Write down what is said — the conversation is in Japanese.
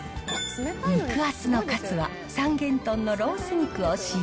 肉厚のカツは、三元豚のロース肉を使用。